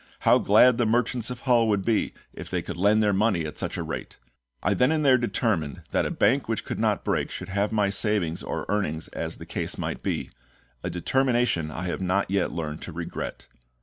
How glad the merchants of Hull would be if they could lend their money at such a rate!" I then and there determined that a bank which could not break should have my savings or earnings as the case might be a determination I have not yet learned to regret.